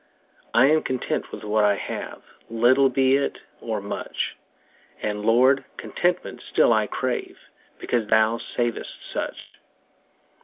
I am content with what I have, 5 Little be it or much: And, Lord, contentment still I crave, Because Thou savest such.